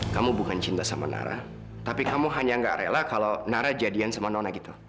kamu bukan cinta sama nara tapi kamu hanya gak rela kalau nara jadian sama nona gitu